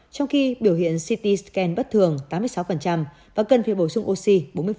trong khi biểu hiện ct scan bất thường tám mươi sáu và cân phía bổ sung oxy bốn mươi